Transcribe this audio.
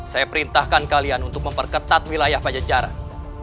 saya perintahkan kalian untuk memperketat wilayah pajajaran